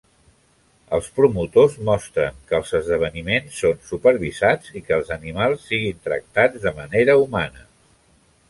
Els promotors mostren que els esdeveniments són supervisats i que els animals siguin tractats de manera humana.